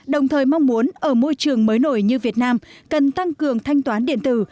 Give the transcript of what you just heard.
đồng thời mong muốn ở môi trường mới nổi như việt nam cần tăng cường thanh toán điện tử